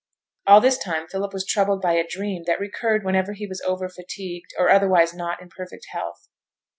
All this time Philip was troubled by a dream that recurred whenever he was over fatigued, or otherwise not in perfect health.